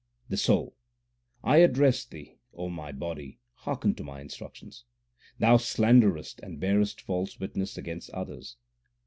* The Soul : I address thee, O my body, hearken to my instruction. Thou slanderest 1 and bearest false witness against others.